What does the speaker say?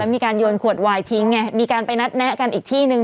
มีการโยนขวดวายทิ้งไงมีการไปนัดแนะกันอีกที่นึง